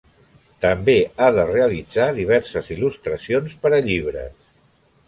També ha de realitzar diverses il·lustracions per a llibres.